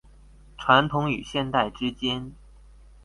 傳統與現代之間